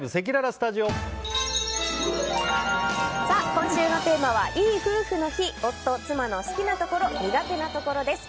今週のテーマはいい夫婦の日夫・妻の好きなところ・苦手なところです。